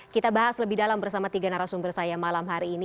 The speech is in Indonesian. kita bahas lebih dalam bersama tiga narasumber saya malam hari ini